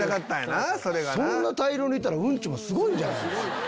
そんな大量にいたらうんちもすごいんじゃない？